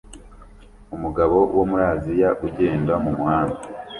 Umugabo wo muri Aziya ugenda mumuhanda